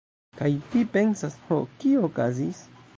Kaj pi pensas, ho, kio okazis?